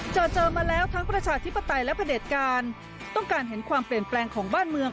เจอเจอมาแล้วทั้งประชาธิปไตยและประเด็จการต้องการเห็นความเปลี่ยนแปลงของบ้านเมือง